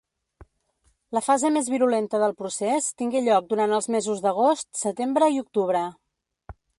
La fase més virulenta del procés tingué lloc durant els mesos d'agost, setembre i octubre.